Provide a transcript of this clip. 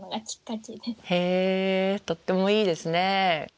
へえとってもいいですね。